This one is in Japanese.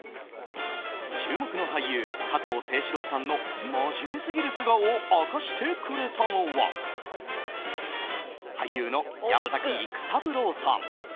注目の俳優・加藤清史郎さんの真面目すぎる素顔を明かしてくれたのは俳優の山崎育三郎さん。